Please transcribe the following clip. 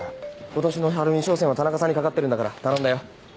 今年のハロウィン商戦は田中さんに懸かってるんだから頼んだよ。